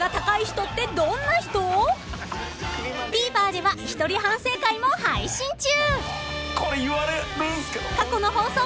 ［ＴＶｅｒでは一人反省会も配信中］